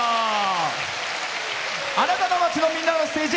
あなたの街の、みんなのステージ